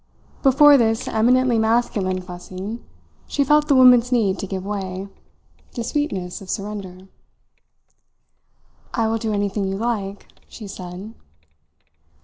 Before this eminently masculine fussing she felt the woman's need to give way, the sweetness of surrender. "I will do anything you like," she said.